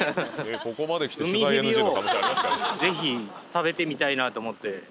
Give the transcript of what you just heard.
ウミヘビをぜひ食べてみたいなと思って。